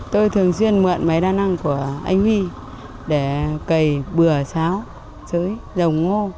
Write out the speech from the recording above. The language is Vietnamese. tôi thường xuyên mượn máy đa năng của anh huy để cầy bửa sáo rưới dầu ngô